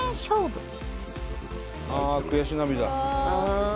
ああ悔し涙。